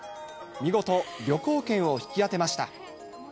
見事、旅行券を引き当てました。